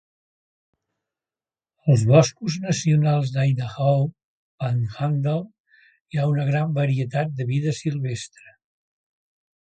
Als boscos nacionals d'Idaho Panhandle hi ha una gran varietat de vida silvestre.